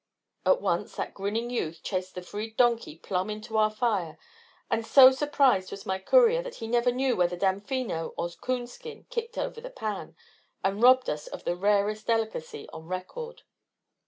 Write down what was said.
At once that grinning youth chased the freed donkey plumb into our fire, and so surprised was my courier that he never knew whether Damfino or Coonskin kicked over the pan, and robbed us of the rarest delicacy on record.